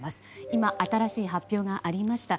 今、新しい発表がありました。